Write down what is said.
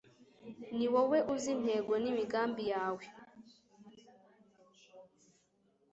ni wowe uzi intego n'imigambi yawe,